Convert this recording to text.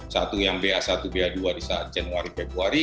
satu yang ba satu ba dua di saat januari februari